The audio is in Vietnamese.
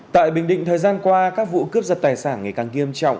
tại bình định thời gian qua các vụ cướp giật tài sản ngày càng nghiêm trọng